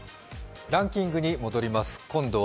ランキングに戻ります。